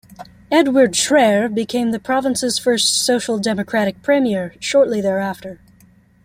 Edward Schreyer became the province's first social democratic Premier shortly thereafter.